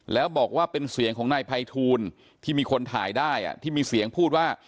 แล้วบอกว่าเป็นเสียงของนายภัยทูลที่มีคนถ่ายได้ที่มีเสียงพูดว่า